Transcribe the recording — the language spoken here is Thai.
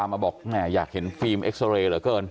แม่อยากเห็นฟิล์มเอ็กซาเรย์เหรอเกิน